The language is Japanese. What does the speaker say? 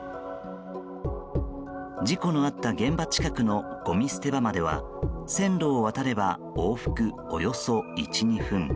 事故のあった現場近くのごみ捨て場までは線路を渡れば往復およそ１２分。